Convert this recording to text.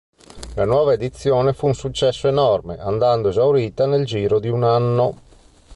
La nuova edizione fu un successo enorme, andando esaurita nel giro di un anno.